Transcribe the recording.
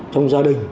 trong gia đình